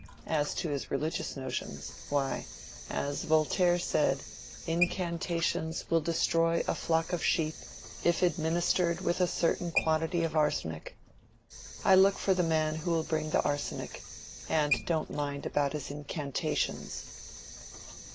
As to his religious notions—why, as Voltaire said, incantations will destroy a flock of sheep if administered with a certain quantity of arsenic. I look for the man who will bring the arsenic, and don't mind about his incantations."